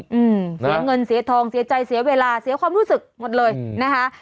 อืมเสียเงินเสียทองเสียใจเสียเวลาเสียความรู้สึกหมดเลยอืมนะคะ